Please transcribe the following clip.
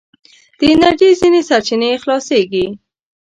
د انرژي ځينې سرچينې خلاصیږي.